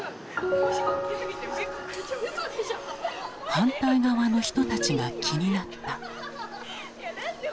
反対側の人たちが気になった。